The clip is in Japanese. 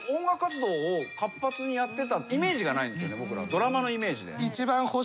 ドラマのイメージで。